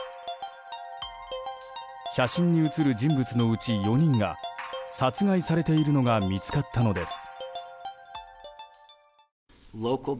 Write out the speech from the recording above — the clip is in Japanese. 写真に写る人物のうち４人が殺害されているのが見つかったのです。